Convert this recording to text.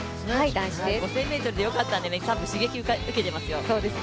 ５０００ｍでよかったので、多分刺激を受けていますよ。